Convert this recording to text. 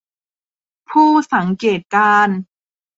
ผู้สังเกตการณ์